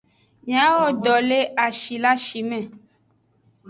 Miawo do le ashi le ashime.